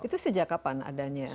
itu sejak kapan adanya